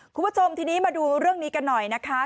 คุณผู้ชมทีนี้มาดูเรื่องนี้กันหน่อยนะคะ